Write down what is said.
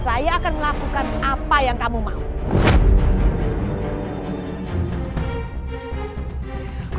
saya akan melakukan apa yang kamu mau